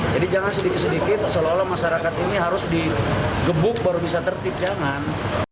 jadi jangan sedikit sedikit seolah olah masyarakat ini harus digebuk baru bisa tertip jangan